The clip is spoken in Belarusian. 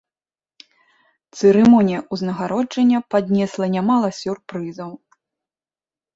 Цырымонія ўзнагароджання паднесла нямала сюрпрызаў.